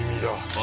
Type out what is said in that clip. あ！